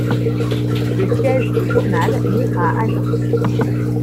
Le siège du journal migre à Agen.